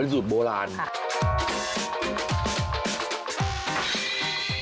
อ๋อเป็นสูตรโบราณค่ะค่ะอ๋อ